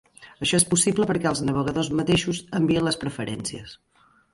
Això és possible perquè els navegadors mateixos envien les preferències.